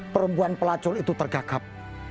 perempuan pelacur itu tergagap